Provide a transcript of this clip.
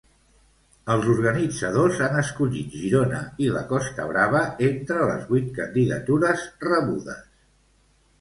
Els organitzadors han escollit Girona i la Costa Brava entre les vuit candidatures rebudes.